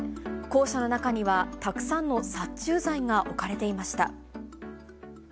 公舎の中には、たくさんの殺虫剤が置かれていました。